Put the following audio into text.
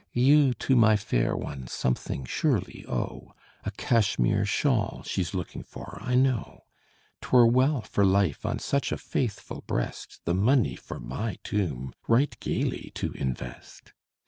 You to my fair one something surely owe; A Cashmere shawl she's looking for, I know: 'Twere well for life on such a faithful breast The money for my tomb right gayly to invest!